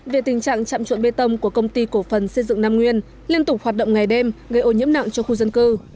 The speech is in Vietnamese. về tình trạng trạm trộn bê tông của công ty cổ phần xây dựng nam nguyên liên tục hoạt động ngày đêm gây ô nhiễm nặng cho khu dân cư